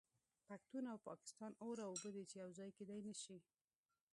پښتون او پاکستان اور او اوبه دي چې یو ځای کیدای نشي